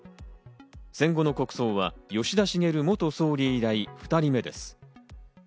戦後の国葬は吉田茂元総理以来、２人目です。